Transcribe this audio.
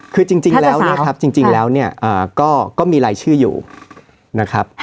คือจริงแล้วเนี่ยก็มีรายชื่ออยู่นะครับ